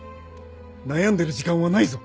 悩んでる時間はないぞ。